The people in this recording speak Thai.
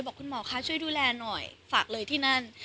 บอกคุณหมอคะช่วยดูแลหน่อยฝากเลยที่นั่น